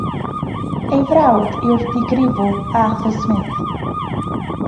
Ei frawd yw'r digrifwr Arthur Smith.